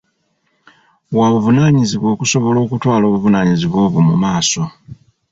Wa buvunaanyizibwa okusobola okutwala obuvunaanyizibwa obwo mu maaso.